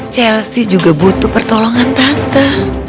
chelsea juga butuh pertolongan tata